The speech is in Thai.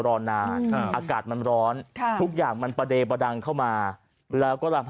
รอนานอากาศมันร้อนทุกอย่างมันประเดประดังเข้ามาแล้วก็ลำ